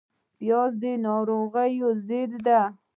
پیاز د ناروغیو ضد ده